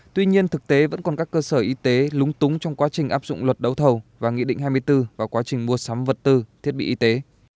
tuy nhiên thực tế vẫn còn các cơ sở y tế lúng túng trong quá trình áp dụng luật đấu thầu và nghị định hai mươi bốn vào quá trình mua sắm vật tư thiết bị y tế